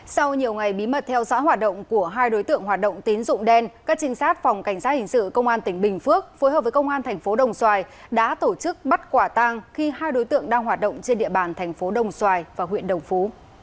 sau nhiều ngày bí mật theo dõi hoạt động của hai đối tượng hoạt động tín dụng đen các trinh sát phòng cảnh sát hình sự công an tỉnh bình phước phối hợp với công an thành phố đồng xoài đã tổ chức bắt quả tang khi hai đối tượng đang hoạt động trên địa bàn thành phố đồng xoài và huyện đồng phú